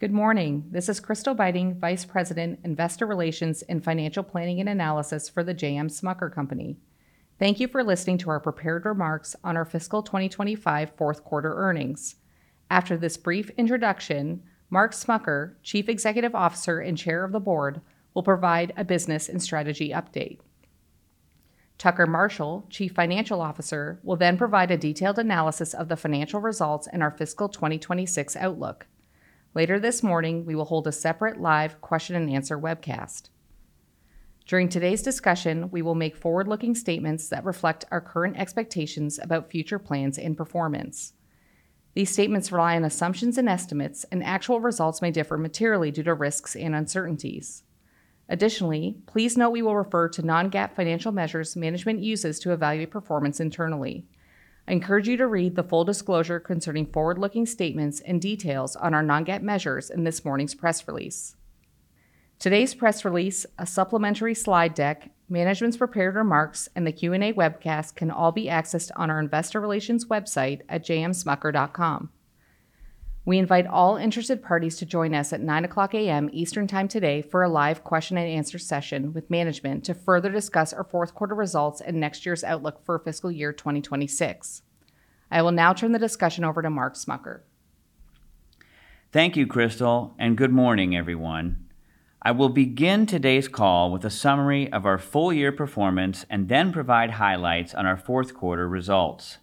Good morning. This is Crystal Beiting, Vice President, Investor Relations and Financial Planning and Analysis for the J. M. Smucker Company. Thank you for listening to our prepared remarks on our fiscal 2025 fourth quarter earnings. After this brief introduction, Mark Smucker, Chief Executive Officer and Chair of the Board, will provide a business and strategy update. Tucker Marshall, Chief Financial Officer, will then provide a detailed analysis of the financial results and our fiscal 2026 outlook. Later this morning, we will hold a separate live question and answer webcast. During today's discussion, we will make forward-looking statements that reflect our current expectations about future plans and performance. These statements rely on assumptions and estimates, and actual results may differ materially due to risks and uncertainties. Additionally, please note we will refer to non-GAAP financial measures management uses to evaluate performance internally. I encourage you to read the full disclosure concerning forward-looking statements and details on our non-GAAP measures in this morning's press release. Today's press release, a supplementary slide deck, management's prepared remarks, and the Q&A webcast can all be accessed on our Investor Relations website at jmsmucker.com. We invite all interested parties to join us at 9:00 A.M. Eastern Time today for a live question and answer session with management to further discuss our fourth quarter results and next year's outlook for fiscal year 2026. I will now turn the discussion over to Mark Smucker. Thank you, Crystal, and good morning, everyone. I will begin today's call with a summary of our full year performance and then provide highlights on our fourth quarter results.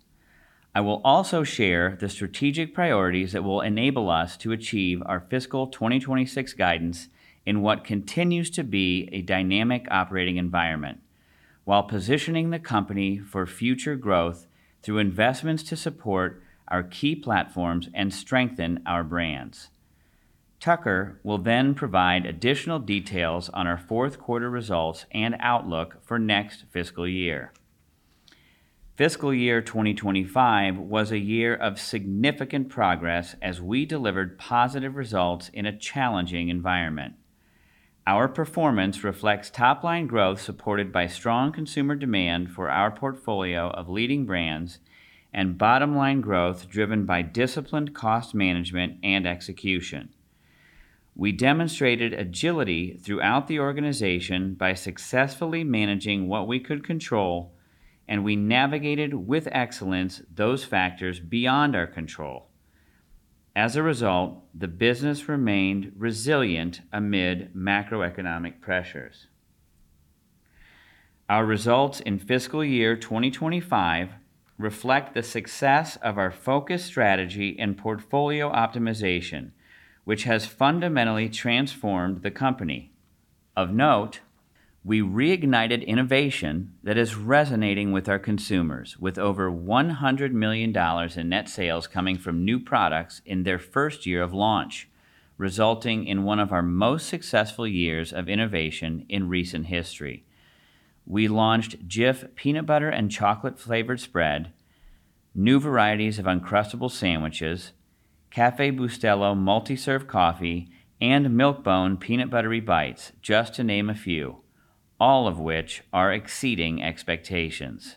I will also share the strategic priorities that will enable us to achieve our fiscal 2026 guidance in what continues to be a dynamic operating environment, while positioning the company for future growth through investments to support our key platforms and strengthen our brands. Tucker will then provide additional details on our fourth quarter results and outlook for next fiscal year. Fiscal year 2025 was a year of significant progress as we delivered positive results in a challenging environment. Our performance reflects top-line growth supported by strong consumer demand for our portfolio of leading brands and bottom-line growth driven by disciplined cost management and execution. We demonstrated agility throughout the organization by successfully managing what we could control, and we navigated with excellence those factors beyond our control. As a result, the business remained resilient amid macroeconomic pressures. Our results in fiscal year 2025 reflect the success of our focused strategy and portfolio optimization, which has fundamentally transformed the company. Of note, we reignited innovation that is resonating with our consumers, with over $100 million in net sales coming from new products in their first year of launch, resulting in one of our most successful years of innovation in recent history. We launched Jif Peanut Butter and Chocolate Flavored Spread, new varieties of Uncrustables sandwiches, Café Bustelo multi-serve coffee, and Milk-Bone Peanut Buttery Bites, just to name a few, all of which are exceeding expectations.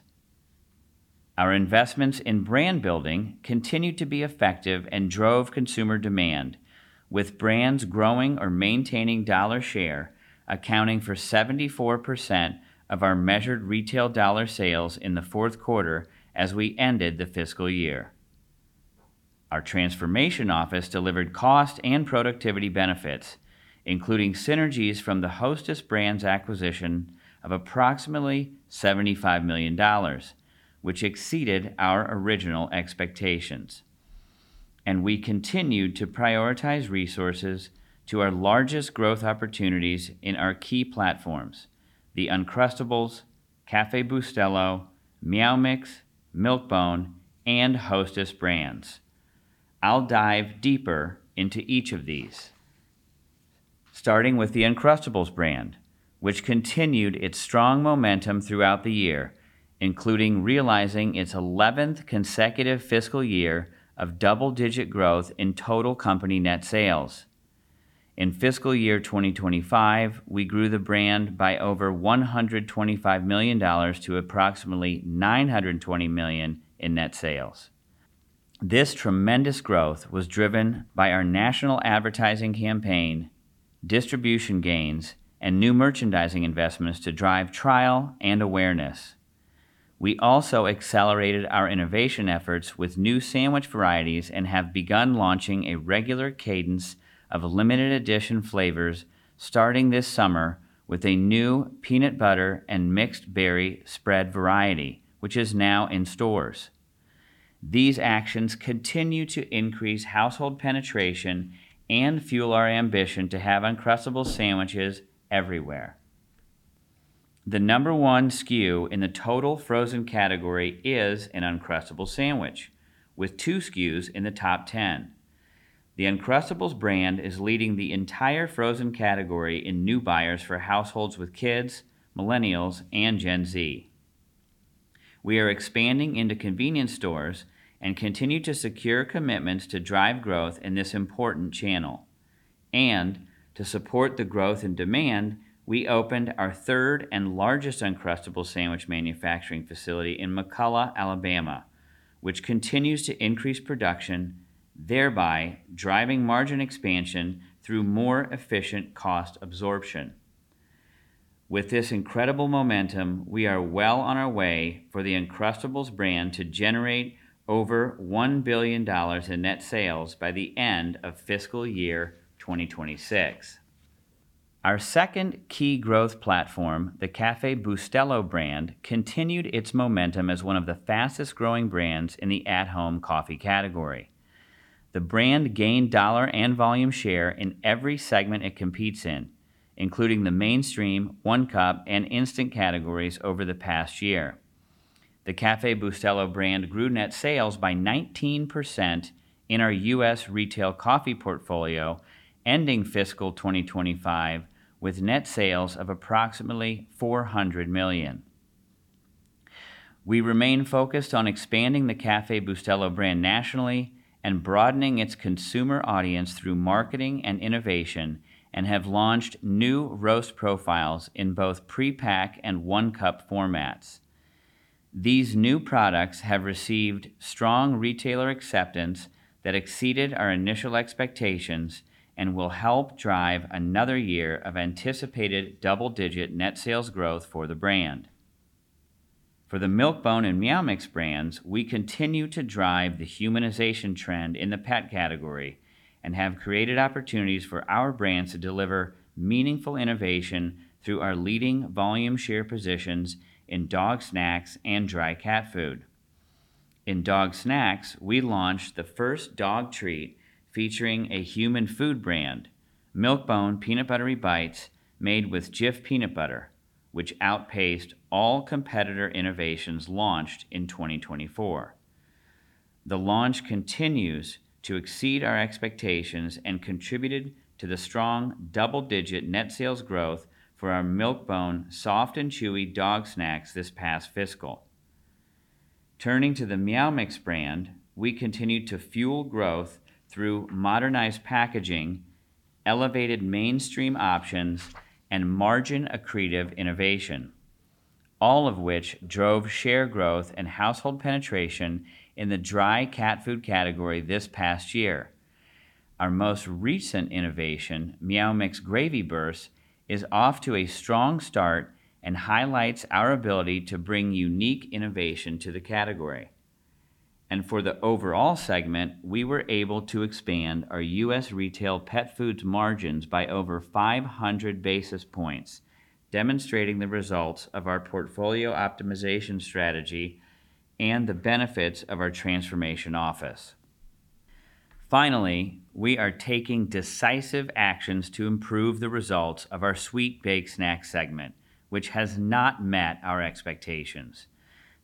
Our investments in brand building continued to be effective and drove consumer demand, with brands growing or maintaining dollar share, accounting for 74% of our measured retail dollar sales in the fourth quarter as we ended the fiscal year. Our transformation office delivered cost and productivity benefits, including synergies from the Hostess Brand's acquisition of approximately $75 million, which exceeded our original expectations. We continued to prioritize resources to our largest growth opportunities in our key platforms: the Uncrustables, Café Bustelo, Meow Mix, Milk-Bone, and Hostess brands. I'll dive deeper into each of these, starting with the Uncrustables brand, which continued its strong momentum throughout the year, including realizing its 11th consecutive fiscal year of double-digit growth in total company net sales. In fiscal year 2025, we grew the brand by over $125 million to approximately $920 million in net sales. This tremendous growth was driven by our national advertising campaign, distribution gains, and new merchandising investments to drive trial and awareness. We also accelerated our innovation efforts with new sandwich varieties and have begun launching a regular cadence of limited-edition flavors starting this summer with a new Peanut Butter and Mixed Berry Spread variety, which is now in stores. These actions continue to increase household penetration and fuel our ambition to have Uncrustables sandwiches everywhere. The number one SKU in the total frozen category is an Uncrustables sandwich, with two SKUs in the top 10. The Uncrustables brand is leading the entire frozen category in new buyers for households with kids, millennials, and Gen Z. We are expanding into convenience stores and continue to secure commitments to drive growth in this important channel. To support the growth in demand, we opened our third and largest Uncrustables sandwich manufacturing facility in McCalla, Alabama, which continues to increase production, thereby driving margin expansion through more efficient cost absorption. With this incredible momentum, we are well on our way for the Uncrustables brand to generate over $1 billion in net sales by the end of fiscal year 2026. Our second key growth platform, the Café Bustelo brand, continued its momentum as one of the fastest-growing brands in the at-home coffee category. The brand gained dollar and volume share in every segment it competes in, including the mainstream, one-cup, and instant categories over the past year. The Café Bustelo brand grew net sales by 19% in our U.S. Retail Coffee portfolio, ending fiscal 2025 with net sales of approximately $400 million. We remain focused on expanding the Café Bustelo brand nationally and broadening its consumer audience through marketing and innovation, and have launched new roast profiles in both pre-pack and one-cup formats. These new products have received strong retailer acceptance that exceeded our initial expectations and will help drive another year of anticipated double-digit net sales growth for the brand. For the Milk-Bone and Meow Mix brands, we continue to drive the humanization trend in the pet category and have created opportunities for our brands to deliver meaningful innovation through our leading volume share positions in dog snacks and dry cat food. In dog snacks, we launched the first dog treat featuring a human food brand, Milk-Bone Peanut Buttery Bites, made with Jif peanut butter, which outpaced all competitor innovations launched in 2024. The launch continues to exceed our expectations and contributed to the strong double-digit net sales growth for our Milk-Bone soft and chewy dog snacks this past fiscal. Turning to the Meow Mix brand, we continued to fuel growth through modernized packaging, elevated mainstream options, and margin-accretive innovation, all of which drove share growth and household penetration in the dry cat food category this past year. Our most recent innovation, Meow Mix Gravy Burst, is off to a strong start and highlights our ability to bring unique innovation to the category. For the overall segment, we were able to expand our U.S. Retail Pet Foods margins by over 500 basis points, demonstrating the results of our portfolio optimization strategy and the benefits of our transformation office. Finally, we are taking decisive actions to improve the results of our Sweet Baked Snack segment, which has not met our expectations.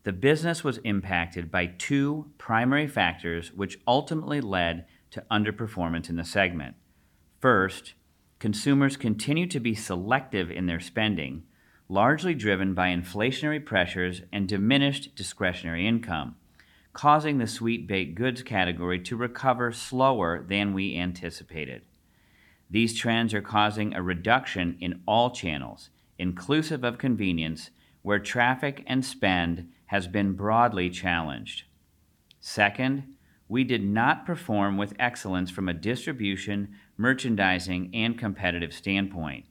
The business was impacted by two primary factors which ultimately led to underperformance in the segment. First, consumers continue to be selective in their spending, largely driven by inflationary pressures and diminished discretionary income, causing the sweet baked goods category to recover slower than we anticipated. These trends are causing a reduction in all channels, inclusive of convenience, where traffic and spend have been broadly challenged. Second, we did not perform with excellence from a distribution, merchandising, and competitive standpoint.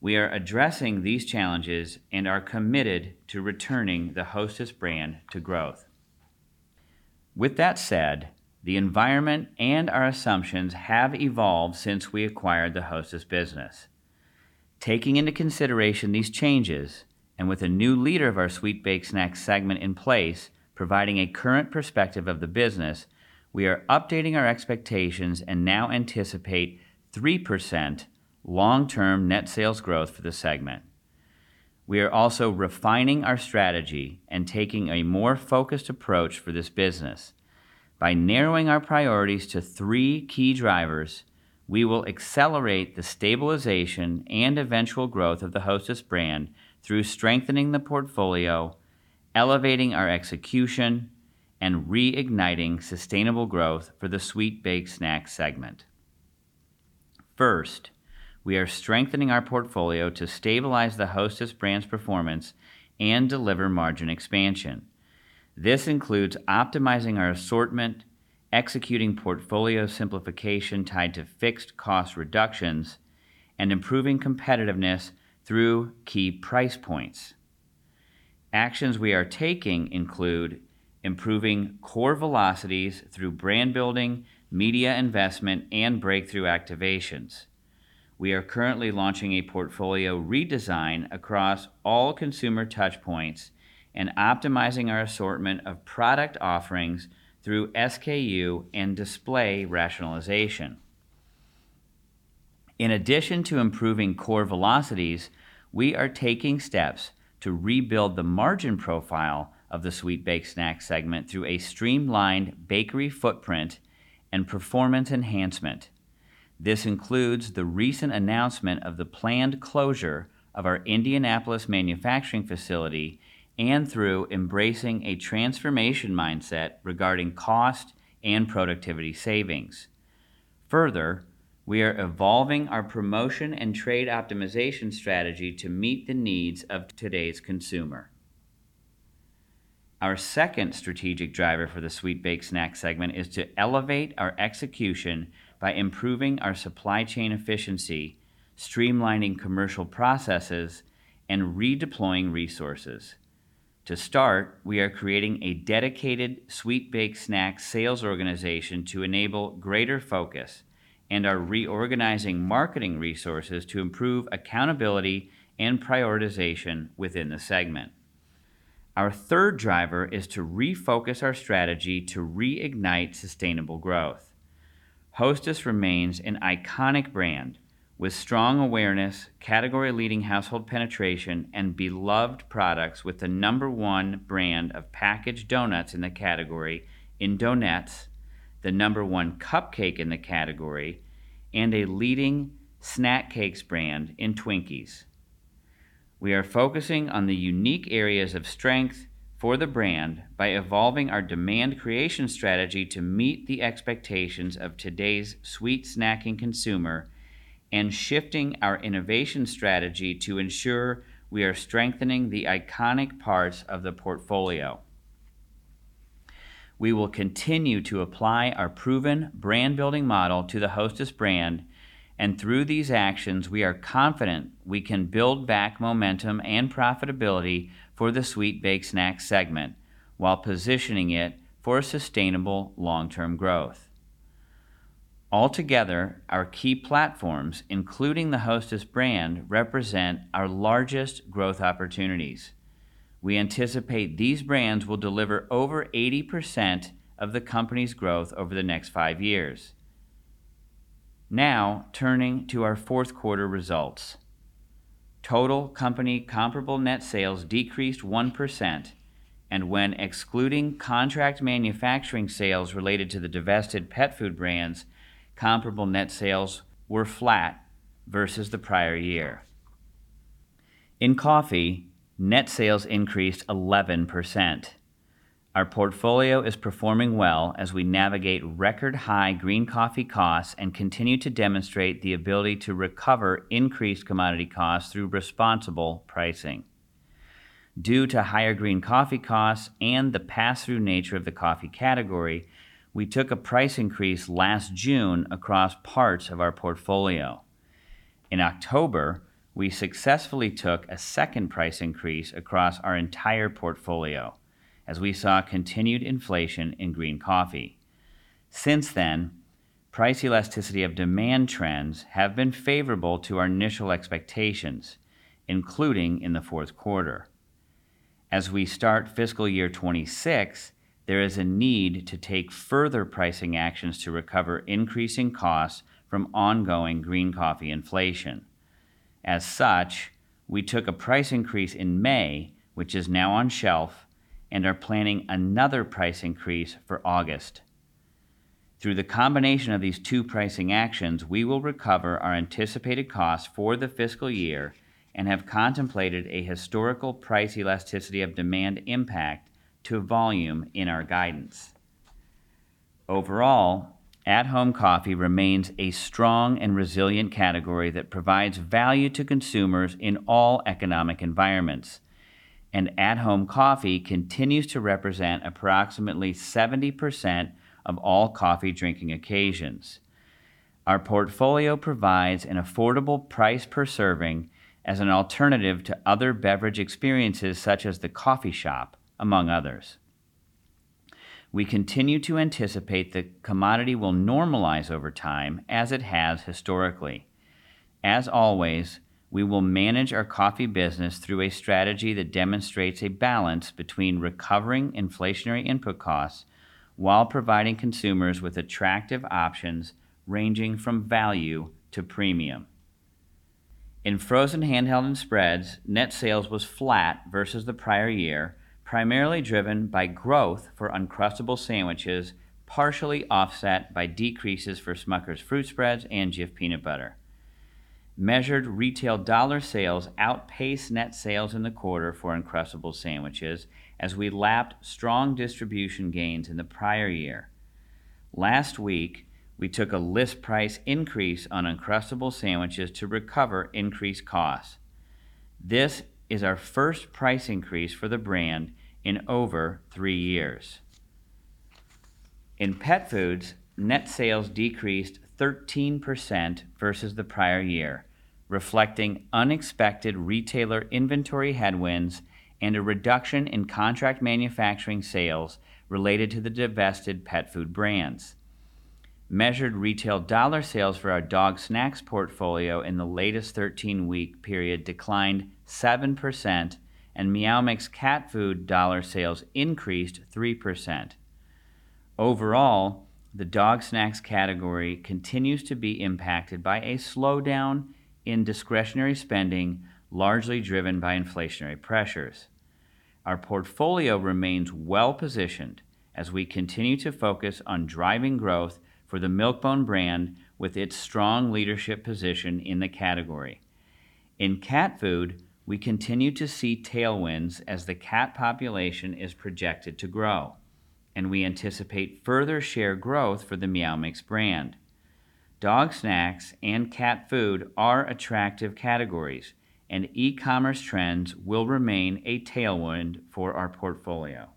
We are addressing these challenges and are committed to returning the Hostess brand to growth. With that said, the environment and our assumptions have evolved since we acquired the Hostess business. Taking into consideration these changes and with a new leader of our Sweet Baked Snack segment in place, providing a current perspective of the business, we are updating our expectations and now anticipate 3% long-term net sales growth for the segment. We are also refining our strategy and taking a more focused approach for this business. By narrowing our priorities to three key drivers, we will accelerate the stabilization and eventual growth of the Hostess brand through strengthening the portfolio, elevating our execution, and reigniting sustainable growth for the Sweet Baked Snack segment. First, we are strengthening our portfolio to stabilize the Hostess brand's performance and deliver margin expansion. This includes optimizing our assortment, executing portfolio simplification tied to fixed cost reductions, and improving competitiveness through key price points. Actions we are taking include improving core velocities through brand building, media investment, and breakthrough activations. We are currently launching a portfolio redesign across all consumer touchpoints and optimizing our assortment of product offerings through SKU and display rationalization. In addition to improving core velocities, we are taking steps to rebuild the margin profile of the Sweet Baked Snack segment through a streamlined bakery footprint and performance enhancement. This includes the recent announcement of the planned closure of our Indianapolis manufacturing facility and through embracing a transformation mindset regarding cost and productivity savings. Further, we are evolving our promotion and trade optimization strategy to meet the needs of today's consumer. Our second strategic driver for the Sweet Baked Snack segment is to elevate our execution by improving our supply chain efficiency, streamlining commercial processes, and redeploying resources. To start, we are creating a dedicated Sweet Baked Snack sales organization to enable greater focus and are reorganizing marketing resources to improve accountability and prioritization within the segment. Our third driver is to refocus our strategy to reignite sustainable growth. Hostess remains an iconic brand with strong awareness, category-leading household penetration, and beloved products with the number one brand of packaged donuts in the category in Donettes, the number one cupcake in the category, and a leading snack cakes brand in Twinkies. We are focusing on the unique areas of strength for the brand by evolving our demand creation strategy to meet the expectations of today's sweet snacking consumer and shifting our innovation strategy to ensure we are strengthening the iconic parts of the portfolio. We will continue to apply our proven brand-building model to the Hostess brand, and through these actions, we are confident we can build back momentum and profitability for the Sweet Baked Snack segment while positioning it for sustainable long-term growth. Altogether, our key platforms, including the Hostess brand, represent our largest growth opportunities. We anticipate these brands will deliver over 80% of the company's growth over the next five years. Now, turning to our fourth quarter results, total company comparable net sales decreased 1%, and when excluding contract manufacturing sales related to the divested pet food brands, comparable net sales were flat versus the prior year. In coffee, net sales increased 11%. Our portfolio is performing well as we navigate record-high green coffee costs and continue to demonstrate the ability to recover increased commodity costs through responsible pricing. Due to higher green coffee costs and the pass-through nature of the coffee category, we took a price increase last June across parts of our portfolio. In October, we successfully took a second price increase across our entire portfolio as we saw continued inflation in green coffee. Since then, price elasticity of demand trends have been favorable to our initial expectations, including in the fourth quarter. As we start fiscal year 2026, there is a need to take further pricing actions to recover increasing costs from ongoing green coffee inflation. As such, we took a price increase in May, which is now on shelf, and are planning another price increase for August. Through the combination of these two pricing actions, we will recover our anticipated costs for the fiscal year and have contemplated a historical price elasticity of demand impact to volume in our guidance. Overall, at-home coffee remains a strong and resilient category that provides value to consumers in all economic environmnts, and at-home coffee continues to represent approximately 70% of all coffee drinking occasions. Our portfolio provides an affordable price per serving as an alternative to other beverage experiences such as the coffee shop, among others. We continue to anticipate the commodity will normalize over time as it has historically. As always, we will manage our coffee business through a strategy that demonstrates a balance between recovering inflationary input costs while providing consumers with attractive options ranging from value to premium. In frozen handheld and spreads, net sales was flat versus the prior year, primarily driven by growth for Uncrustables sandwiches, partially offset by decreases for Smucker's fruit spreads and Jif peanut butter. Measured retail dollar sales outpaced net sales in the quarter for Uncrustables sandwiches as we lapped strong distribution gains in the prior year. Last week, we took a list price increase on Uncrustables sandwiches to recover increased costs. This is our first price increase for the brand in over three years. In Pet Foods, net sales decreased 13% versus the prior year, reflecting unexpected retailer inventory headwinds and a reduction in contract manufacturing sales related to the divested pet food brands. Measured retail dollar sales for our dog snacks portfolio in the latest 13-week period declined 7%, and Meow Mix cat food dollar sales increased 3%. Overall, the dog snacks category continues to be impacted by a slowdown in discretionary spending, largely driven by inflationary pressures. Our portfolio remains well-positioned as we continue to focus on driving growth for the Milk-Bone brand with its strong leadership position in the category. In cat food, we continue to see tailwinds as the cat population is projected to grow, and we anticipate further share growth for the Meow Mix brand. Dog snacks and cat food are attractive categories, and e-commerce trends will remain a tailwind for our portfolio.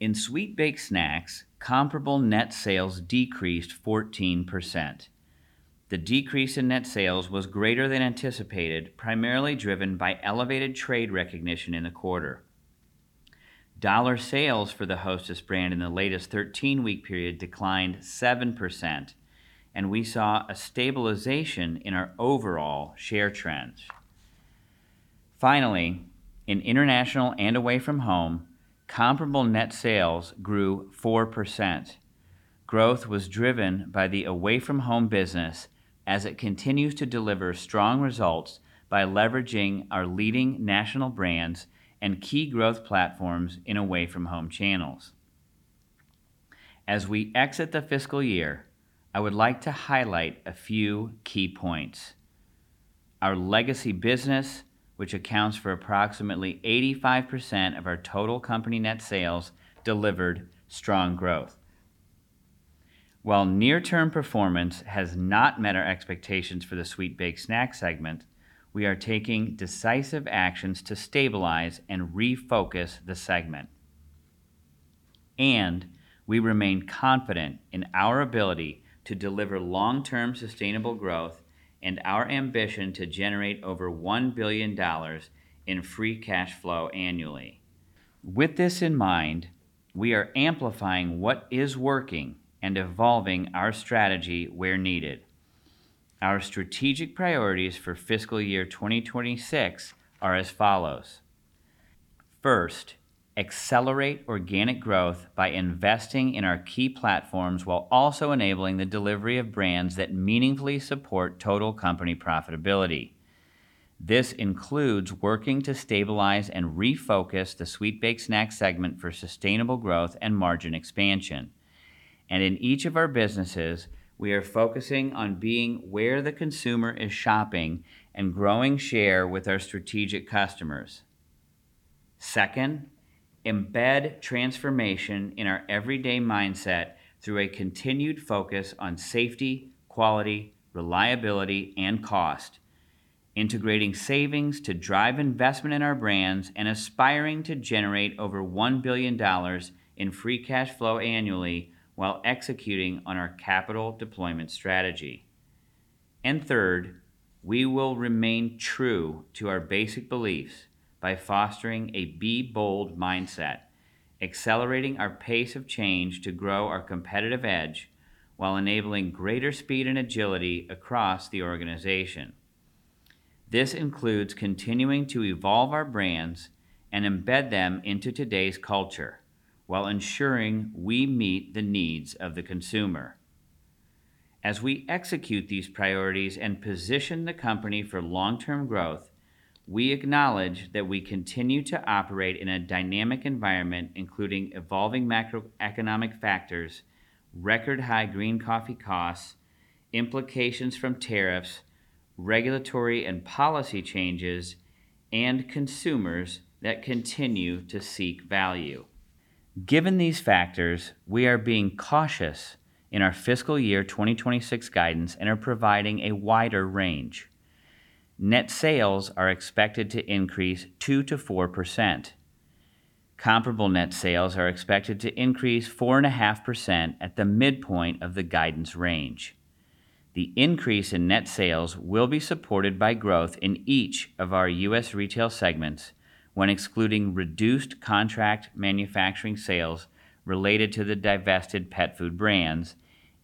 In Sweet Baked Snacks, comparable net sales decreased 14%. The decrease in net sales was greater than anticipated, primarily driven by elevated trade recognition in the quarter. Dollar sales for the Hostess brand in the latest 13-week period declined 7%, and we saw a stabilization in our overall share trends. Finally, in international and Away From Home, comparable net sales grew 4%. Growth was driven by the Away From Home business as it continues to deliver strong results by leveraging our leading national brands and key growth platforms in Away From Home channels. As we exit the fiscal year, I would like to highlight a few key points. Our legacy business, which accounts for approximately 85% of our total company net sales, delivered strong growth. While near-term performance has not met our expectations for the Sweet Baked Snack segment, we are taking decisive actions to stabilize and refocus the segment. We remain confident in our ability to deliver long-term sustainable growth and our ambition to generate over $1 billion in free cash flow annually. With this in mind, we are amplifying what is working and evolving our strategy where needed. Our strategic priorities for fiscal year 2026 are as follows. First, accelerate organic growth by investing in our key platforms while also enabling the delivery of brands that meaningfully support total company profitability. This includes working to stabilize and refocus the Sweet Baked Snack segment for sustainable growth and margin expansion. In each of our businesses, we are focusing on being where the consumer is shopping and growing share with our strategic customers. Second, embed transformation in our everyday mindset through a continued focus on safety, quality, reliability, and cost, integrating savings to drive investment in our brands and aspiring to generate over $1 billion in free cash flow annually while executing on our capital deployment strategy. Third, we will remain true to our Basic Beliefs by fostering a Be Bld mindset, accelerating our pace of change to grow our competitive edge while enabling greater speed and agility across the organization. This includes continuing to evolve our brands and embed them into today's culture while ensuring we meet the needs of the consumer. As we execute these priorities and position the company for long-term growth, we acknowledge that we continue to operate in a dynamic environment including evolving macroeconomic factors, record-high green coffee costs, implications from tariffs, regulatory and policy changes, and consumers that continue to seek value. Given these factors, we are being cautious in our fiscal year 2026 guidance and are providing a wider range. Net sales are expected to increase 2%-4%. Comparable net sales are expected to increase 4.5% at the midpoint of the guidance range. The increase in net sales will be supported by growth in each of our U.S. Retail segments when excluding reduced contract manufacturing sales related to the divested pet food brands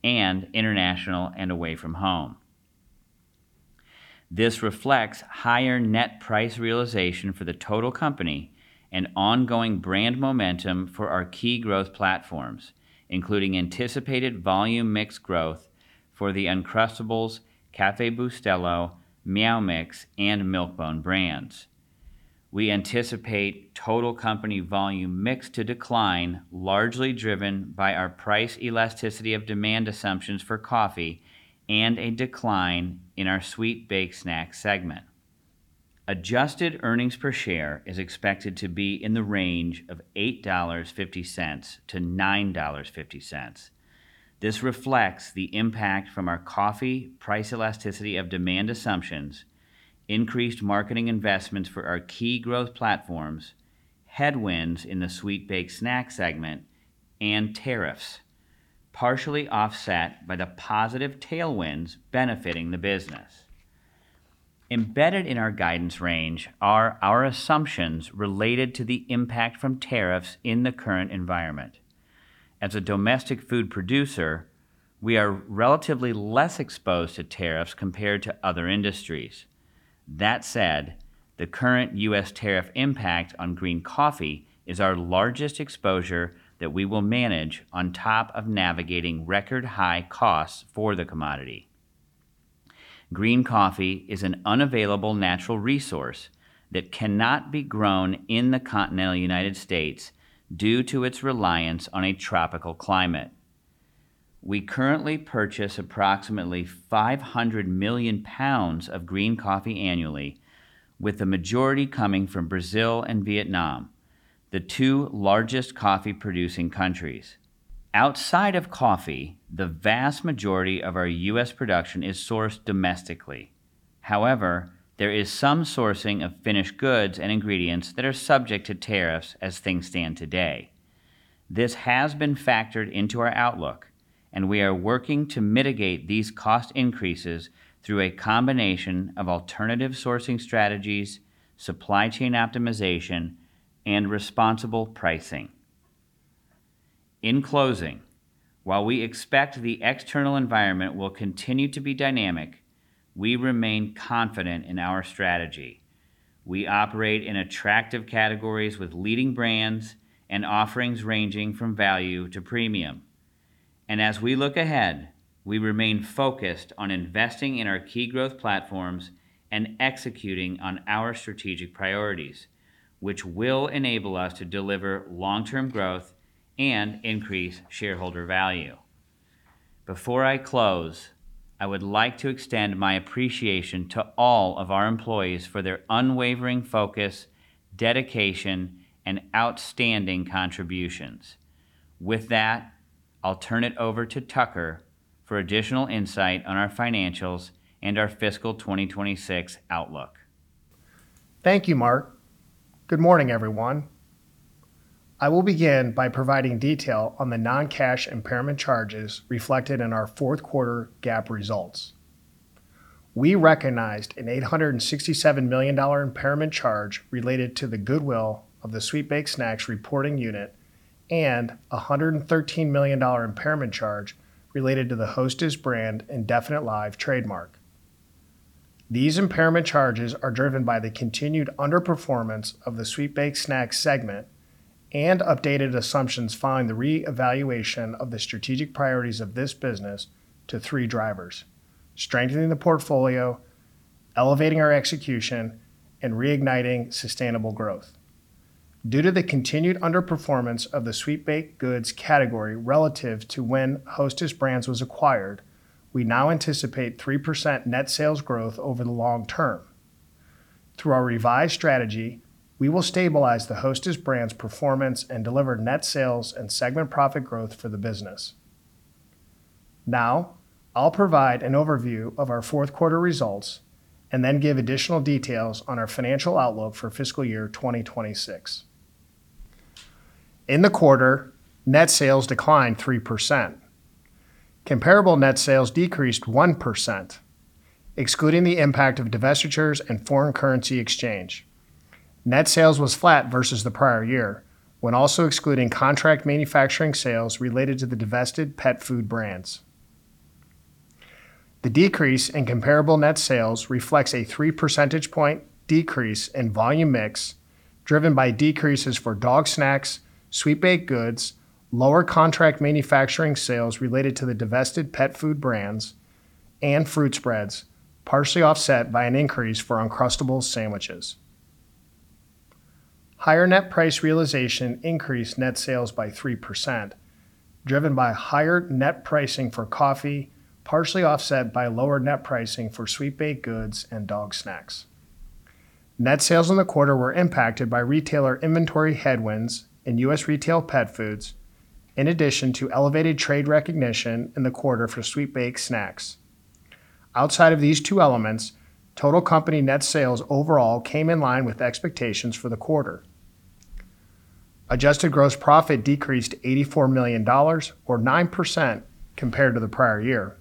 and international and Away From Home. This reflects higher net price realization for the total company and ongoing brand momentum for our key growth platforms, including anticipated volume mix growth for the Uncrustables, Café Bustelo, Meow Mix, and Milk-Bone brands. We anticipate total company volume mix to decline, largely driven by our price elasticity of demand assumptions for coffee and a decline in our Sweet Baked Snacks segment. Adjusted earnings per share is expected to be in the range of $8.50-$9.50. This reflects the impact from our coffee price elasticity of demand assumptions, increased marketing investments for our key growth platforms, headwinds in the Sweet Baked Snack segment, and tariffs, partially offset by the positive tailwinds benefiting the business. Embedded in our guidance range are our assumptions related to the impact from tariffs in the current environment. As a domestic food producer, we are relatively less exposed to tariffs compared to other industries. That said, the current U.S. tariff impact on green coffee is our largest exposure that we will manage on top of navigating record-high costs for the commodity. Green coffee is an unavailable natural resource that cannot be grown in the continental United States due to its reliance on a tropical climate. We currently purchase approximately 500 million pounds of green coffee annually, with the majority coming from Brazil and Vietnam, the two largest coffee-producing countries. Outside of coffee, the vast majority of our U.S. production is sourced domestically. However, there is some sourcing of finished goods and ingredients that are subject to tariffs as things stand today. This has been factored into our outlook, and we are working to mitigate these cost increases through a combination of alternative sourcing strategies, supply chain optimization, and responsible pricing. In closing, while we expect the external environment will continue to be dynamic, we remain confident in our strategy. We operate in attractive categories with leading brands and offerings ranging from value to premium. As we look ahead, we remain focused on investing in our key growth platforms and executing on our strategic priorities, which will enable us to deliver long-term growth and increase shareholder value. Before I close, I would like to extend my appreciation to all of our employees for their unwavering focus, dedication, and outstanding contributions. With that, I'll turn it over to Tucker for additional insight on our financials and our fiscal 2026 outlook. Thank you, Mark. Good morning, everyone. I will begin by providing detail on the non-cash impairment charges reflected in our fourth quarter GAAP results. We recognized an $867 million impairment charge related to the goodwill of the Sweet Baked Snacks reporting unit and a $113 million impairment charge related to the Hostess brand and definite-lived trademark. These impairment charges are driven by the continued underperformance of the Sweet Baked Snacks segment and updated assumptions following the reevaluation of the strategic priorities of this business to three drivers: strengthening the portfolio, elevating our execution, and reigniting sustainable growth. Due to the continued underperformance of the sweet baked goods category relative to when Hostess Brands was acquired, we now anticipate 3% net sales growth over the long term. Through our revised strategy, we will stabilize the Hostess brand's performance and deliver net sales and segment profit growth for the business. Now, I'll provide an overview of our fourth quarter results and then give additional details on our financial outlook for fiscal year 2026. In the quarter, net sales declined 3%. Comparable net sales decreased 1%, excluding the impact of divestitures and foreign currency exchange. Net sales was flat versus the prior year when also excluding contract manufacturing sales related to the divested pet food brands. The decrease in comparable net sales reflects a 3 percentage point decrease in volume mix driven by decreases for dog snacks, sweet baked goods, lower contract manufacturing sales related to the divested pet food brands, and fruit spreads, partially offset by an increase for Uncrustables sandwiches. Higher net price realization increased net sales by 3%, driven by higher net pricing for coffee, partially offset by lower net pricing for sweet baked goods and dog snacks. Net sales in the quarter were impacted by retailer inventory headwinds in U.S. Retail Pet Foods, in addition to elevated trade recognition in the quarter for Sweet Baked Snacks. Outside of these two elements, total company net sales overall came in line with expectations for the quarter. Adjusted gross profit decreased $84 million, or 9%, compared to the prior year.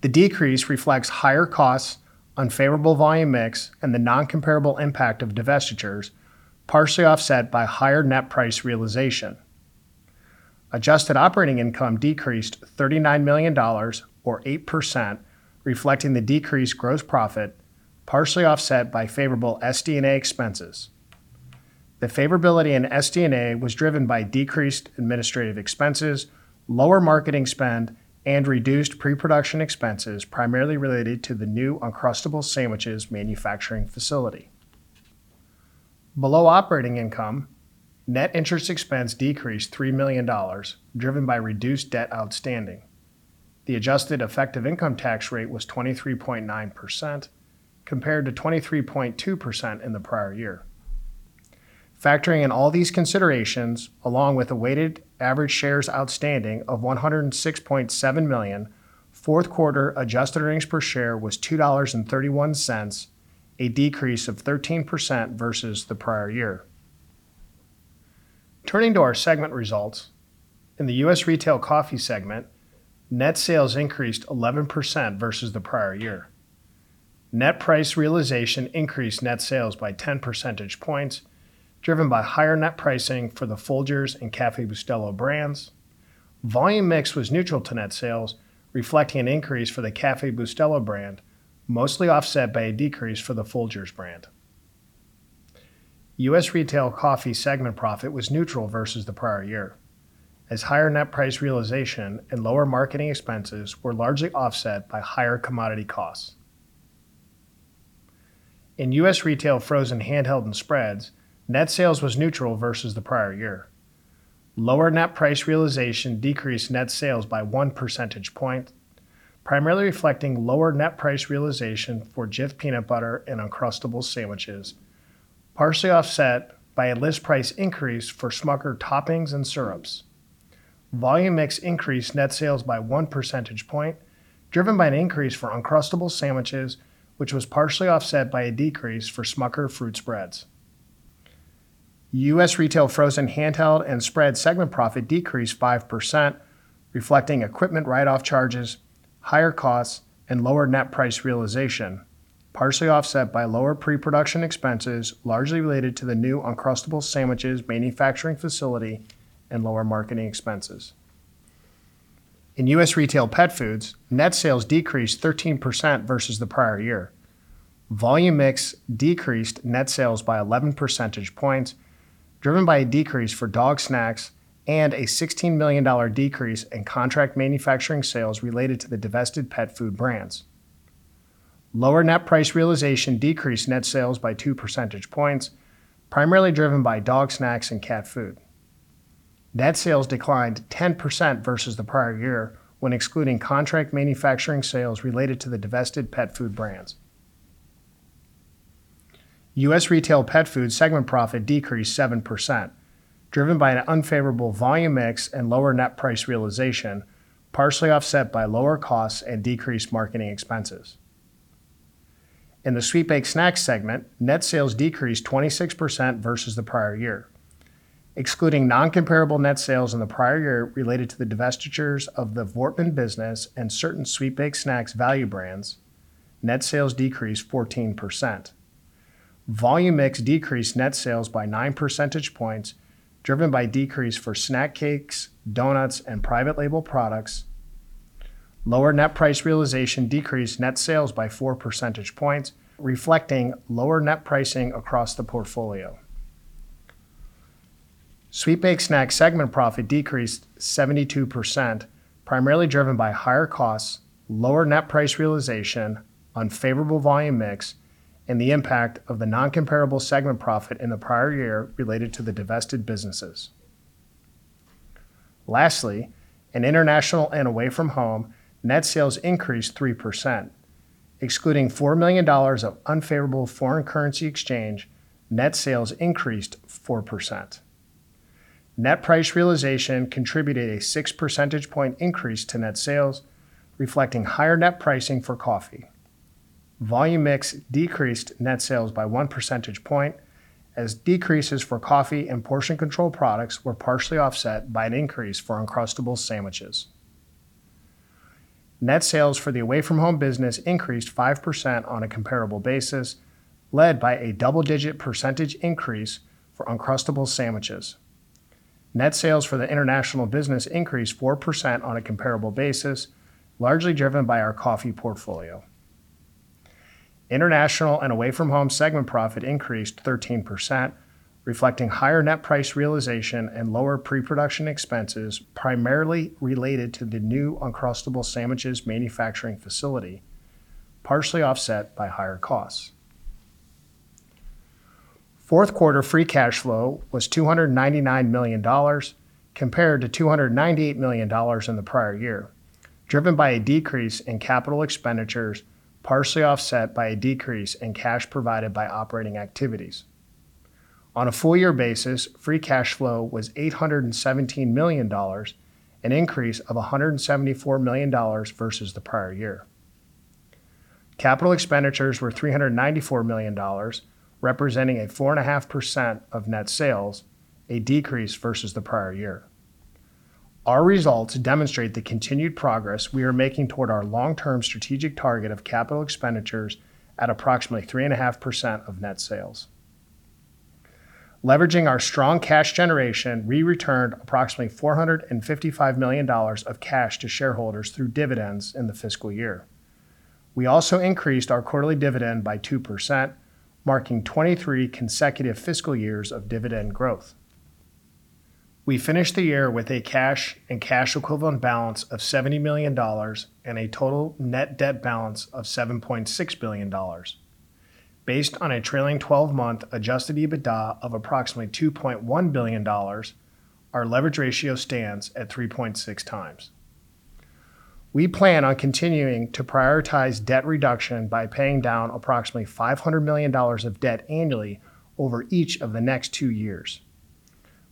The decrease reflects higher costs, unfavorable volume mix, and the non-comparable impact of divestitures, partially offset by higher net price realization. Adjusted operating income decreased $39 million, or 8%, reflecting the decreased gross profit, partially offset by favorable SD&A expenses. The favorability in SD&A was driven by decreased administrative expenses, lower marketing spend, and reduced pre-production expenses primarily related to the new Uncrustables sandwiches manufacturing facility. Below operating income, net interest expense decreased $3 million, driven by reduced debt outstanding. The adjusted effective income tax rate was 23.9%, compared to 23.2% in the prior year. Factoring in all these considerations, along with a weighted average shares outstanding of 106.7 million, fourth quarter adjusted earnings per share was $2.31, a decrease of 13% versus the prior year. Turning to our segment results, in the U.S. Retail coffee segment, net sales increased 11% versus the prior year. Net price realization increased net sales by 10 percentage points, driven by higher net pricing for the Folgers and Café Bustelo brands. Volume mix was neutral to net sales, reflecting an increase for the Café Bustelo brand, mostly offset by a decrease for the Folgers brand. U.S. Retail Coffee segment profit was neutral versus the prior year, as higher net price realization and lower marketing expenses were largely offset by higher commodity costs. In U.S. Retail Frozen Handheld and Spreads, net sales was neutral versus the prior year. Lower net price realization decreased net sales by 1 percentage point, primarily reflecting lower net price realization for Jif peanut butter and Uncrustables sandwiches, partially offset by a list price increase for Smucker toppings and syrups. Volume mix increased net sales by 1 percentage point, driven by an increase for Uncrustables sandwiches, which was partially offset by a decrease for Smucker's fruit spreads. U.S. Retail Frozen Handheld and Spread segment profit decreased 5%, reflecting equipment write-off charges, higher costs, and lower net price realization, partially offset by lower pre-production expenses largely related to the new Uncrustables sandwiches manufacturing facility and lower marketing expenses. In U.S. Retail Pet Foods, net sales decreased 13% versus the prior year. Volume mix decreased net sales by 11 percentage points, driven by a decrease for dog snacks and a $16 million decrease in contract manufacturing sales related to the divested pet food brands. Lower net price realization decreased net sales by 2 percentage points, primarily driven by dog snacks and cat food. Net sales declined 10% versus the prior year when excluding contract manufacturing sales related to the divested pet food brands. U.S. Retail Pet Foods segment profit decreased 7%, driven by an unfavorable volume mix and lower net price realization, partially offset by lower costs and decreased marketing expenses. In the Sweet Baked Snacks segment, net sales decreased 26% versus the prior year. Excluding non-comparable net sales in the prior year related to the divestitures of the Voortman business and certain Sweet Baked Snacks value brands, net sales decreased 14%. Volume mix decreased net sales by 9 percentage points, driven by decrease for snack cakes, donuts, and private label products. Lower net price realization decreased net sales by 4 percentage points, reflecting lower net pricing across the portfolio. Sweet Baked Snacks segment profit decreased 72%, primarily driven by higher costs, lower net price realization, unfavorable volume mix, and the impact of the non-comparable segment profit in the prior year related to the divested businesses. Lastly, in international and Away From Home, net sales increased 3%. Excluding $4 million of unfavorable foreign currency exchange, net sales increased 4%. Net price realization contributed a 6 percentage point increase to net sales, reflecting higher net pricing for coffee. Volume mix decreased net sales by 1 percentage point, as decreases for coffee and portion control products were partially offset by an increase for Uncrustables sandwiches. Net sales for the Away From Home business increased 5% on a comparable basis, led by a double-digit percentage increase for Uncrustables sandwiches. Net sales for the international business increased 4% on a comparable basis, largely driven by our coffee portfolio. International and Away From Home segment profit increased 13%, reflecting higher net price realization and lower pre-production expenses primarily related to the new Uncrustables sandwiches manufacturing facility, partially offset by higher costs. Fourth quarter free cash flow was $299 million, compared to $298 million in the prior year, driven by a decrease in capital expenditures, partially offset by a decrease in cash provided by operating activities. On a full-year basis, free cash flow was $817 million, an increase of $174 million versus the prior year. Capital expenditures were $394 million, representing 4.5% of net sales, a decrease versus the prior year. Our results demonstrate the continued progress we are making toward our long-term strategic target of capital expenditures at approximately 3.5% of net sales. Leveraging our strong cash generation, we returned approximately $455 million of cash to shareholders through dividends in the fiscal year. We also increased our quarterly dividend by 2%, marking 23 consecutive fiscal years of dividend growth. We finished the year with a cash and cash equivalent balance of $70 million and a total net debt balance of $7.6 billion. Based on a trailing 12-month adjusted EBITDA of approximately $2.1 billion, our leverage ratio stands at 3.6 times. We plan on continuing to prioritize debt reduction by paying down approximately $500 million of debt annually over each of the next two years.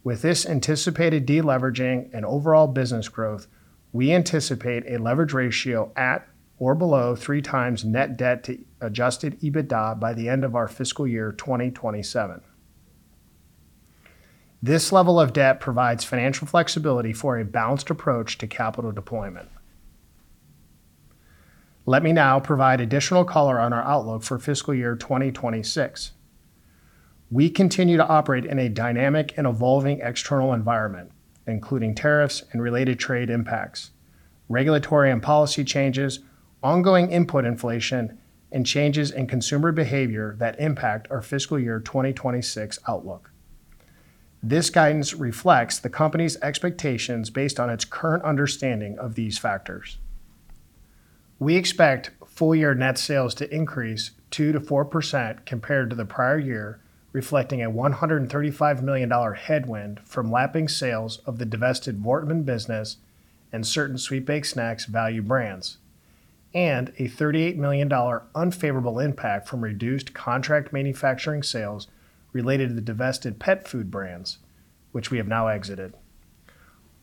With this anticipated deleveraging and overall business growth, we anticipate a leverage ratio at or below three times net debt to adjusted EBITDA by the end of our fiscal year 2027. This level of debt provides financial flexibility for a balanced approach to capital deployment. Let me now provide additional color on our outlook for fiscal year 2026. We continue to operate in a dynamic and evolving external environment, including tariffs and related trade impacts, regulatory and policy changes, ongoing input inflation, and changes in consumer behavior that impact our fiscal year 2026 outlook. This guidance reflects the company's expectations based on its current understanding of these factors. We expect full-year net sales to increase 2%-4% compared to the prior year, reflecting a $135 million headwind from lapping sales of the divested Voortman business and certain Sweet Baked Snacks value brands, and a $38 million unfavorable impact from reduced contract manufacturing sales related to the divested pet food brands, which we have now exited.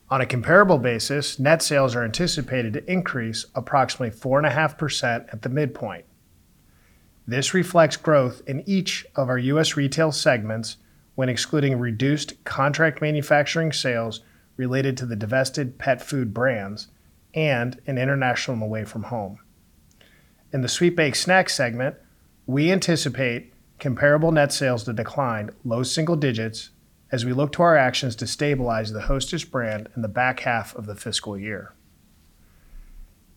On a comparable basis, net sales are anticipated to increase approximately 4.5% at the midpoint. This reflects growth in each of our U.S. Retail segments when excluding reduced contract manufacturing sales related to the divested pet food brands and in international and Away From Home. In the Sweet Baked Snacks segment, we anticipate comparable net sales to decline low single digits as we look to our actions to stabilize the Hostess brand in the back half of the fiscal year.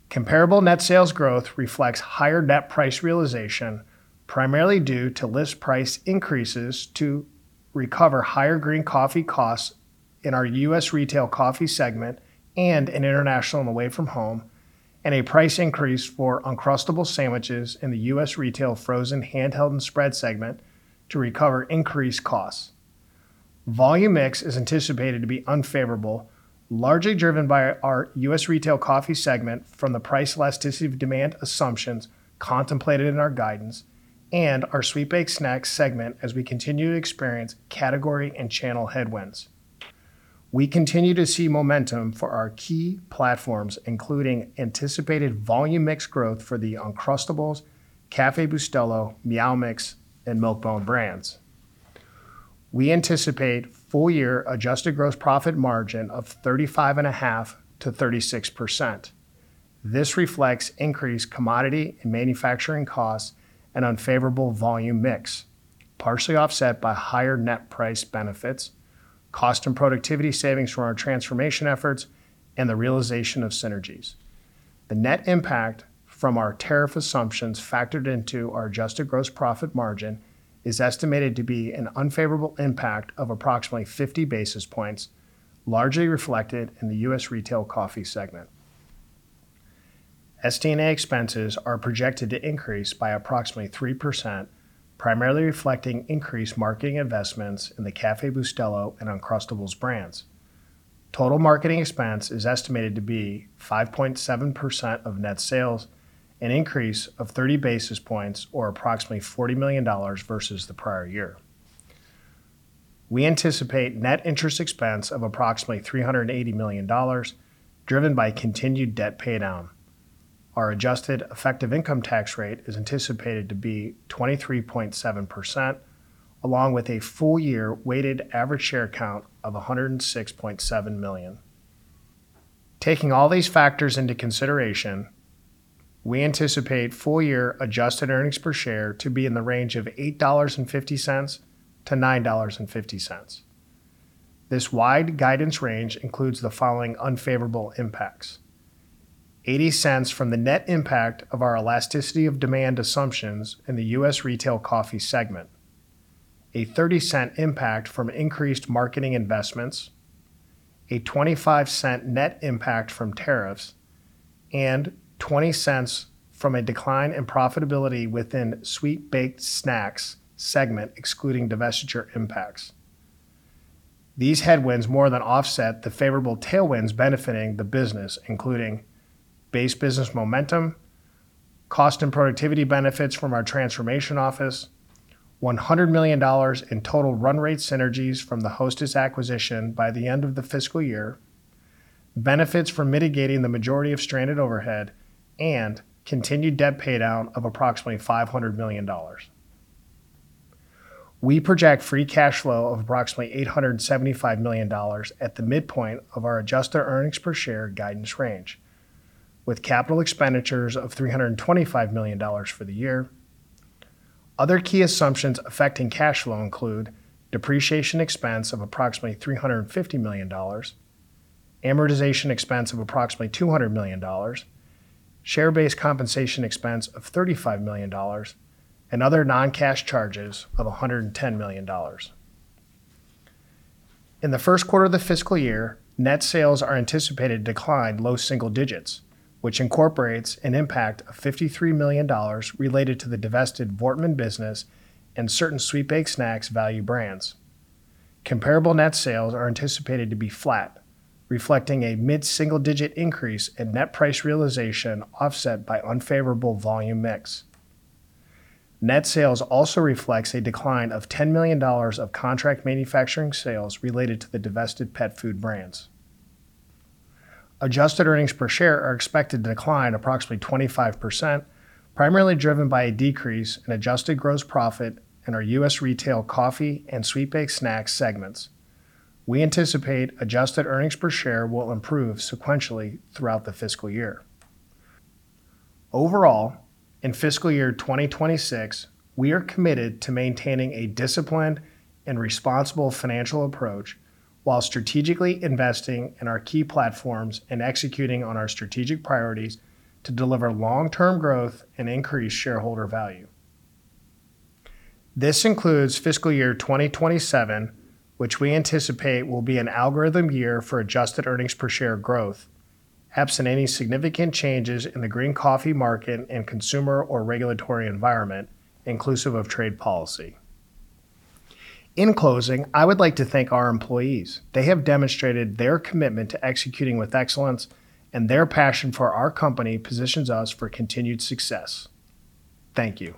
Comparable net sales growth reflects higher net price realization, primarily due to list price increases to recover higher green coffee costs in our U.S. Retail Coffee segment and in international and Away From Home, and a price increase for Uncrustables sandwiches in the U.S. Retail Frozen Handheld and Spread segment to recover increased costs. Volume mix is anticipated to be unfavorable, largely driven by our U.S. Retail Coffee segment from the price elasticity of demand assumptions contemplated in our guidance and our Sweet Baked Snacks segment as we continue to experience category and channel headwinds. We continue to see momentum for our key platforms, including anticipated volume mix growth for the Uncrustables, Café Bustelo, Meow Mix, and Milk-Bone brands. We anticipate full-year adjusted gross profit margin of 35.5%-36%. This reflects increased commodity and manufacturing costs and unfavorable volume mix, partially offset by higher net price benefits, cost and productivity savings from our transformation efforts, and the realization of synergies. The net impact from our tariff assumptions factored into our adjusted gross profit margin is estimated to be an unfavorable impact of approximately 50 basis points, largely reflected in the U.S. Retail Coffee segment. SD&A expenses are projected to increase by approximately 3%, primarily reflecting increased marketing investments in the Café Bustelo and Uncrustables brands. Total marketing expense is estimated to be 5.7% of net sales, an increase of 30 basis points or approximately $40 million versus the prior year. We anticipate net interest expense of approximately $380 million, driven by continued debt paydown. Our adjusted effective income tax rate is anticipated to be 23.7%, along with a full-year weighted average share count of 106.7 million. Taking all these factors into consideration, we anticipate full-year adjusted earnings per share to be in the range of $8.50-$9.50. This wide guidance range includes the following unfavorable impacts: $0.80 from the net impact of our elasticity of demand assumptions in the U.S. Retail Coffee segment, a $0.30 impact from increased marketing investments, a $0.25 net impact from tariffs, and $0.20 from a decline in profitability within Sweet Baked Snacks segment, excluding divestiture impacts. These headwinds more than offset the favorable tailwinds benefiting the business, including base business momentum, cost and productivity benefits from our transformation office, $100 million in total run rate synergies from the Hostess acquisition by the end of the fiscal year, benefits from mitigating the majority of stranded overhead, and continued debt paydown of approximately $500 million. We project free cash flow of approximately $875 million at the midpoint of our adjusted earnings per share guidance range, with capital expenditures of $325 million for the year. Other key assumptions affecting cash flow include depreciation expense of approximately $350 million, amortization expense of approximately $200 million, share-based compensation expense of $35 million, and other non-cash charges of $110 million. In the first quarter of the fiscal year, net sales are anticipated to decline low single digits, which incorporates an impact of $53 million related to the divested Voortman business and certain Sweet Baked Snacks value brands. Comparable net sales are anticipated to be flat, reflecting a mid-single-digit increase in net price realization offset by unfavorable volume mix. Net sales also reflects a decline of $10 million of contract manufacturing sales related to the divested pet food brands. Adjusted earnings per share are expected to decline approximately 25%, primarily driven by a decrease in adjusted gross profit in our U.S. Retail Coffee and Sweet Baked Snacks segments. We anticipate adjusted earnings per share will improve sequentially throughout the fiscal year. Overall, in fiscal year 2026, we are committed to maintaining a disciplined and responsible financial approach while strategically investing in our key platforms and executing on our strategic priorities to deliver long-term growth and increased shareholder value. This includes fiscal year 2027, which we anticipate will be an algorithm year for adjusted earnings per share growth, absent any significant changes in the green coffee market and consumer or regulatory environment, inclusive of trade policy. In closing, I would like to thank our employees. They have demonstrated their commitment to executing with excellence, and their passion for our company positions us for continued success. Thank you.